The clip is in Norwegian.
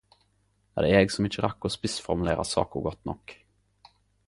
Er det eg som ikkje rakk å spissformulera saka godt nok.